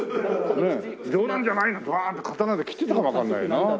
「冗談じゃない！」なんてワーッて刀で切ってたかもわかんないよな。